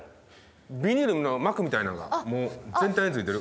ビニールの膜みたいなのがもう全体についてる。